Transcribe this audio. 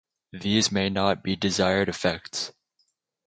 These may not be desired effects.